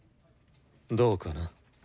どうかな。